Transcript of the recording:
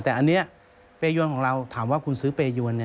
แต่อันนี้เปรยวนของเราถามว่าคุณซื้อเปรยวน